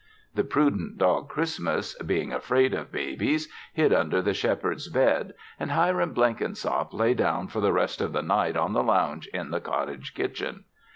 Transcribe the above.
The prudent dog Christmas, being afraid of babies, hid under the Shepherd's bed, and Hiram Blenkinsop lay down for the rest of the night on the lounge in the cottage kitchen.